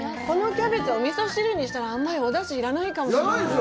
このキャベツ、お味噌汁にしたらあんまりお出汁いらないかも。